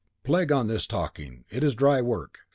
Plague on this talking; it is dry work.